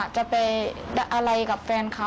แต่คือแม่แม่เขาไม่รู้แต่หนูอ่ะ